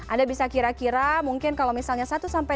anda bisa kira kira mungkin kalau misalnya satu sampai